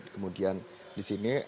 kemudian di sini